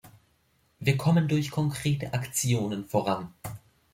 Wir kommen durch konkrete Aktionen voran.